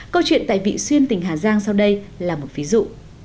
câu chuyện tại vị xuyên tỉnh hà giang sau đây là một ví dụ